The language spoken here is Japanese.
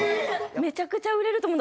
めちゃくちゃ売れると思う。